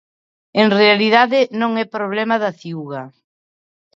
En realidade non é problema da Ciuga.